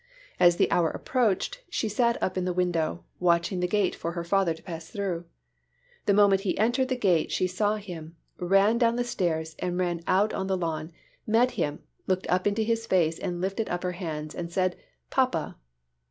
As the hour approached, she sat up in the window, watching the gate for her father to pass through. The moment he entered the gate she saw him, ran down the stairs and ran out on the lawn, met him, looked up into his face and lifted up her hands and said, "Papa."